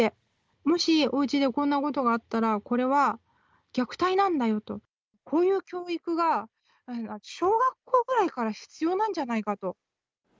もし、おうちでこんなことがあったら、これは虐待なんだよと、こういう教育が、小学校ぐらいから必要なんじゃないかと。